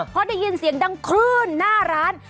พอได้ยินเสียงดังคลื่นหน้าร้าน